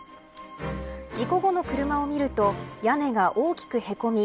事故後の車を見ると屋根が大きくへこみ